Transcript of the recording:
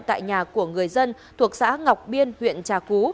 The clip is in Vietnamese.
tại nhà của người dân thuộc xã ngọc biên huyện trà cú